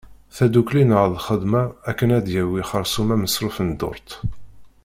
Taddukli neɣ lxedma akken ad yawi xersum amesruf n ddurt.